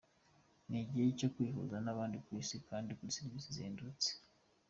Ni igihe cyo kwihuza n’ahandi ku Isi kandi kuri serivisi zihendutse”.